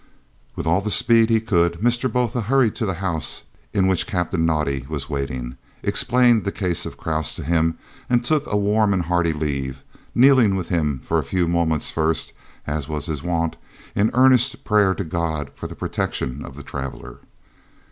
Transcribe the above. With all the speed he could Mr. Botha hurried to the house in which Captain Naudé was waiting, explained the case of Krause to him and took a warm and hearty leave, kneeling with him for a few moments first, as was his wont, in earnest prayer to God for the protection of the traveller.